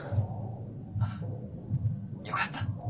「あよかった。